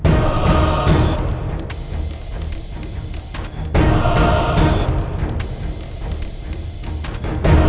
aku akan menang